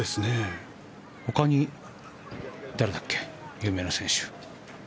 ほかに誰だっけ有名な選手。